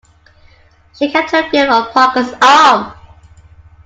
She kept her grip of Parker’s arm.